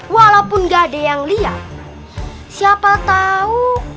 walaupun gak ada yang liat siapa tau